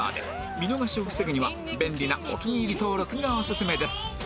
見逃しを防ぐには便利なお気に入り登録がオススメです